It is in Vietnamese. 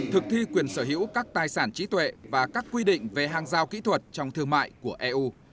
thực thi quyền sở hữu các tài sản trí tuệ và các quy định về hàng giao kỹ thuật trong thương mại của eu